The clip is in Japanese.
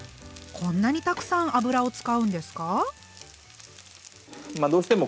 こんなにたくさん油を使うんですか？